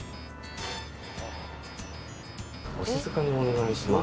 「お静かにお願いします」。